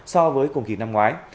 so với cùng kỳ năm ngoái